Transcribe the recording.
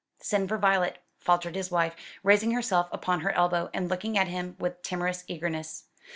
"Send for Violet," faltered his wife, raising herself upon her elbow, and looking at him with timorous eagerness.